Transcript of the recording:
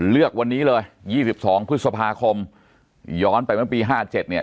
เลือกวันนี้เลย๒๒พฤษภาคมย้อนไปบนปี๕๗